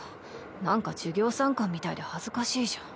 なんか授業参観みたいで恥ずかしいじゃん。